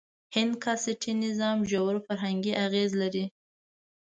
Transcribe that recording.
هند کاسټي نظام ژور فرهنګي اغېز لري.